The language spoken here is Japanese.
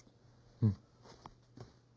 うん。